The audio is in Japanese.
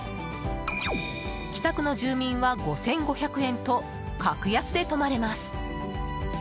北区の住民は５５００円と格安で泊まれます。